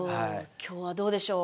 今日はどうでしょう？